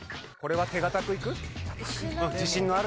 これは手堅くいく？